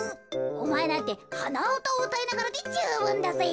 おまえなんてはなうたをうたいながらでじゅうぶんだぜ。